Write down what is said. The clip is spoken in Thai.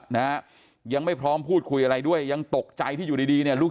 นะฮะยังไม่พร้อมพูดคุยอะไรด้วยยังตกใจที่อยู่ดีดีเนี่ยลูก